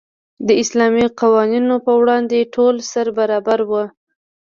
د اسلامي قوانینو په وړاندې ټول سره برابر وو.